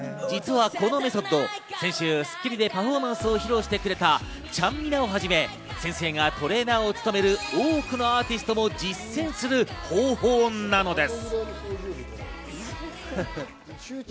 実はこのメソッド、先週『スッキリ』でパフォーマンスを披露してくれた、ちゃんみなをはじめ先生がトレーナーを務める多くのアーティストも実践する方法なのです。